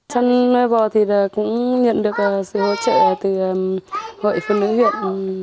sau nuôi bò thì cũng nhận được sự hỗ trợ từ hội phụ nữ huyện